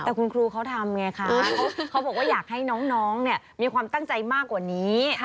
แต่คุณครูเขาทำไงคะเขาบอกว่าอยากให้น้องเนี่ยมีความตั้งใจมากกว่านี้